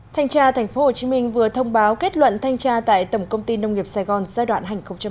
thanh tra tp hcm vừa thông báo kết luận thanh tra tại tổng công ty nông nghiệp sài gòn giai đoạn hai nghìn một mươi một hai nghìn hai mươi